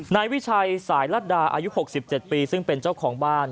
นายวิชัยสายลัดดาอายุ๖๗ปีซึ่งเป็นเจ้าของบ้าน